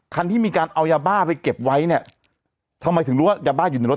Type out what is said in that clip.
ที่มีการเอายาบ้าไปเก็บไว้เนี่ยทำไมถึงรู้ว่ายาบ้าอยู่ในรถ